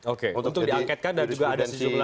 oke untuk diangketkan dan juga ada sejumlah